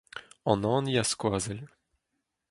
An hini a skoazell.